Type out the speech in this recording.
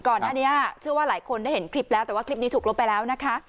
ก่อนหน้านี้เชื่อว่าหลายคนได้เห็นคลิปแล้วแต่ว่าคลิปนี้ถูกลบไปแล้วนะคะ